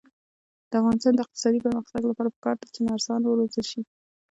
د افغانستان د اقتصادي پرمختګ لپاره پکار ده چې نرسان وروزل شي.